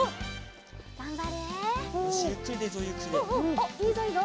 おっいいぞいいぞ